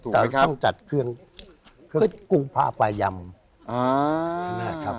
แต่ต้องจัดเครื่องกูภาพายำ